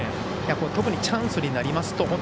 特にチャンスになりますと本当